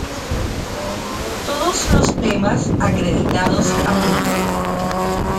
Todos los temas acreditados a Queen